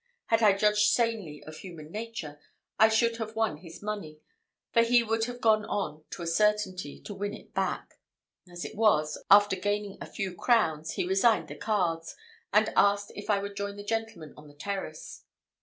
Had I judged sanely of human nature, I should have won his money, and he would have gone on to a certainty, to win it back. As it was, after gaining a few crowns, he resigned the cards, and asked if I would join the gentlemen on the terrace.